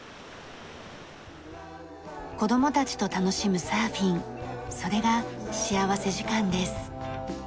子供たちと楽しむサーフィンそれが幸福時間です。